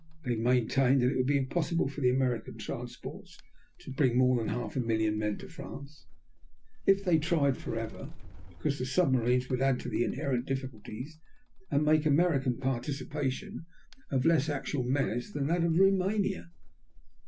They maintained that it would be impossible for American transports to bring more than half a million men to France, if they tried forever, because the submarines would add to the inherent difficulties, and make "American participation" of less actual menace than that of Roumania.